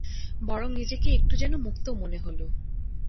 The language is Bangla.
বরং নিজেকে একটু যেন মুক্ত মনে হল।